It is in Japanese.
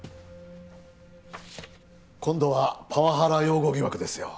今度はパワハラ擁護疑惑ですよ。